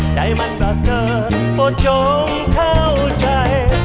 ใจมันรักเธอโปรดโจ้งเข้าใจ